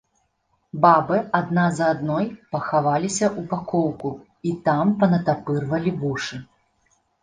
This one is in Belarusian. Бабы адна за адной пахаваліся ў бакоўку і там панатапырвалі вушы.